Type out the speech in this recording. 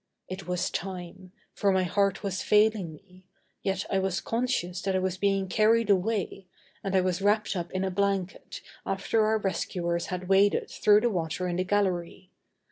It was time, for my heart was failing me, yet I was conscious that I was being carried away, and I was wrapped up in a blanket after our rescuers had waded through the water in the gallery.